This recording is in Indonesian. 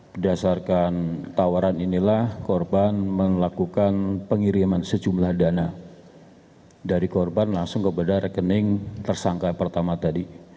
berdasarkan tawaran inilah korban melakukan pengiriman sejumlah dana dari korban langsung kepada rekening tersangka pertama tadi